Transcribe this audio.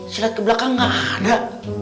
silet ke belakang nggak ada